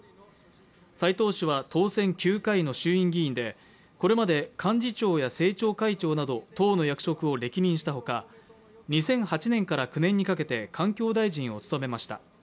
斉藤氏は当選９回の衆院議員でこれまで幹事長や政調会長など党の役職を歴任したほか、２００８年から９年にかけて環境大臣を務めました。